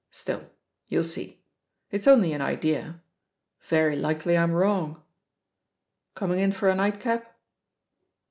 Still, you'll see; it's only an idea — ^very likely, I'm wrong Coming in for a nightcap?'